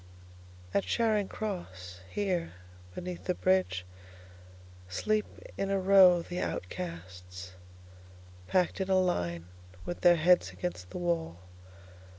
At Charing Cross, here, beneath the bridgeSleep in a row the outcasts, Packed in a line with their heads against the wall.